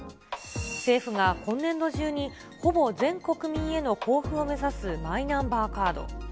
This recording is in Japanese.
政府が今年度中にほぼ全国民への交付を目指すマイナンバーカード。